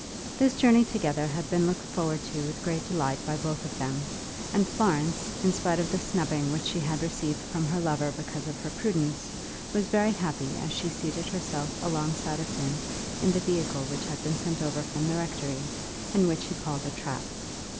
This journey together had been looked forward to with great delight by both of them, and Florence, in spite of the snubbing which she had received from her lover because of her prudence, was very happy as she seated herself alongside of him in the vehicle which had been sent over from the rectory, and which he called a trap.